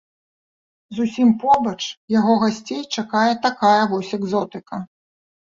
Зусім побач яго гасцей чакае такая вось экзотыка.